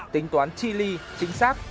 tính toán chi ly chính xác